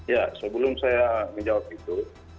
ya sebelum saya menjawab itu